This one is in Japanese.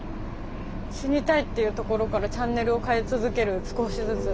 死にたいっていうところからチャンネルを変え続ける少しずつ。